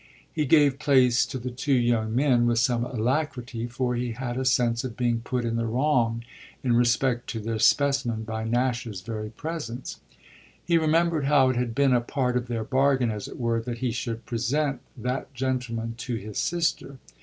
He gave place to the two young men with some alacrity, for he had a sense of being put in the wrong in respect to their specimen by Nash's very presence. He remembered how it had been a part of their bargain, as it were, that he should present that gentleman to his sister.